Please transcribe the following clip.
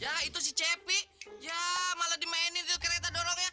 yaa itu si cepik yaa malah di mainin di kereta dorongnya